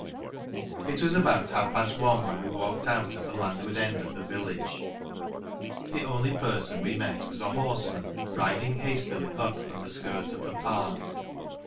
It was about half past one when we walked out at the landward end of the village. The only person we met was a horseman, riding hastily up from the skirt of the park.